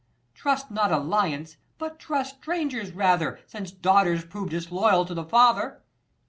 Trust not alliance ; but trust strangers rather, Since daughters prove disloyal to the father.